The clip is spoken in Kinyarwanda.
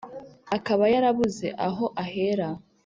akaba yarabuze aho ahera